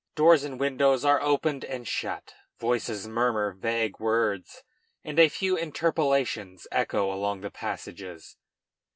Doors and windows are opened and shut, voices murmur vague words, and a few interpellations echo along the passages.